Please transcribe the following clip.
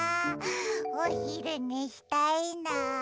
おひるねしたいな。